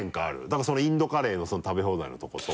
だからそのインドカレーの食べ放題のところと。